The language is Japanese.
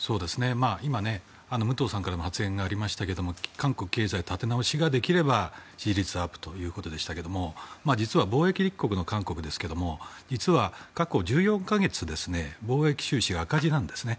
今、武藤さんからの発言もありましたけど韓国経済、立て直しができれば支持率アップということでしたが実は貿易立国の韓国ですが実は過去１４か月貿易収支、赤字なんですね。